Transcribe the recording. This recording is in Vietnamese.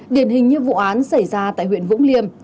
điển hình như vụ án xảy ra tại huyện vũng liêm